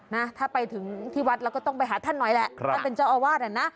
นะถ้าไปถึงที่วัดเราก็ต้องไปหาท่านหน่อยแหละท่านเป็นเจ้าอาวาสอ่ะนะ